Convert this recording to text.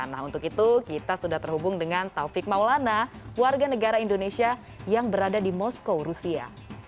nah untuk itu kita sudah terhubung dengan taufik maulana warga negara indonesia yang berada di moskow rusia